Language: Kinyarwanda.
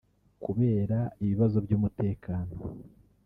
Kubera ibibazo by’umutekano